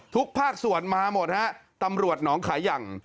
ภาคส่วนมาหมดฮะตำรวจหนองขายัง